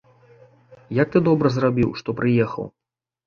Як ты добра зрабіў, што прыехаў.